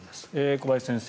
小林先生